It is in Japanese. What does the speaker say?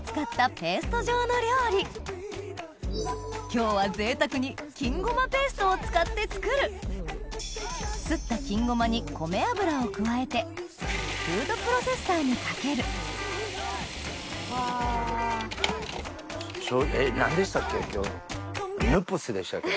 今日はぜいたくに金ごまペーストを使って作るすった金ごまに米油を加えてフードプロセッサーにかけるヌプスでしたっけ？